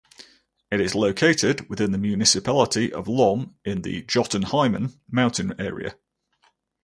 It is located within the municipality of Lom, in the Jotunheimen mountain area.